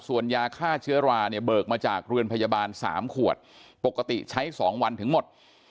ส่วนยาฆ่าเชื้อราเนี่ยเบิกมาจากเรือนพยาบาล๓ขวดปกติใช้๒วันถึงหมด